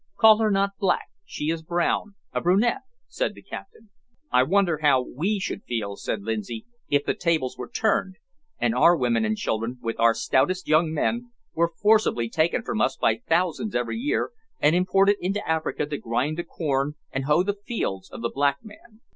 "Call her not black; she is brown a brunette," said the captain. "I wonder how we should feel," said Lindsay, "if the tables were turned, and our women and children, with our stoutest young men, were forcibly taken from us by thousands every year, and imported into Africa to grind the corn and hoe the fields of the black man.